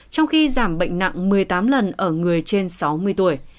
trong khi giảm bệnh nặng một mươi tám lần ở người trên sáu mươi tuổi